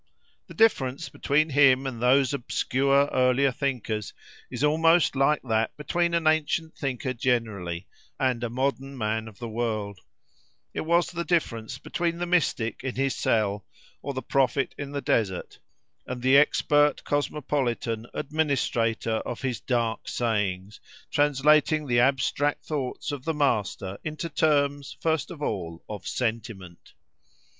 The difference between him and those obscure earlier thinkers is almost like that between an ancient thinker generally, and a modern man of the world: it was the difference between the mystic in his cell, or the prophet in the desert, and the expert, cosmopolitan, administrator of his dark sayings, translating the abstract thoughts of the master into terms, first of all, of sentiment.